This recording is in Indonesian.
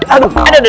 aduh aduh aduh